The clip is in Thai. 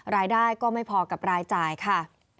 รายได้ก็ไม่พอกับรายจ่ายค่ะ